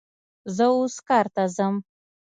زه اوس کار ته ځم